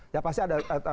ya pasti ada